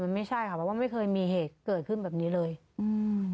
ไม่ใช่ค่ะเพราะว่าไม่เคยมีเหตุเกิดขึ้นแบบนี้เลยอืม